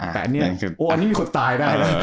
แต่อันนี้โอ้ยอันนี้มีคนตายได้เลย